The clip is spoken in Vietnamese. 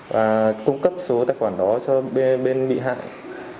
và cung cấp số tài khoản đó cho bên bị hại